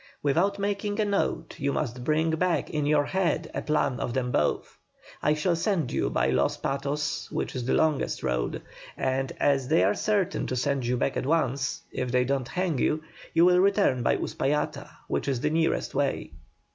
Without making a note, you must bring back in your head a plan of them both. I shall send you by Los Patos which is the longest road, and as they are certain to send you back at once, if they don't hang you, you will return by Uspallata, which is the nearest way."